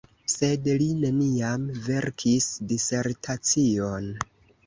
Sed li neniam verkis disertacion.